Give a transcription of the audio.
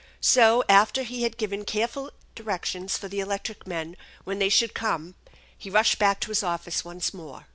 So after he had given careful directions for the electric men when they should come he rushed back to his office once more.